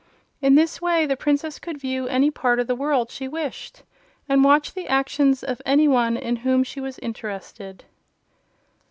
In this way the Princess could view any part of the world she wished, and watch the actions of any one in whom she was interested.